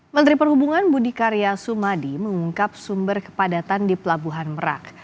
menteri perhubungan budi karya sumadi mengungkap sumber kepadatan di pelabuhan merak